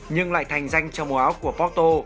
nhưng lại thành danh cho mùa áo của porto